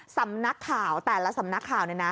สำนักข่าวแต่ละสำนักข่าว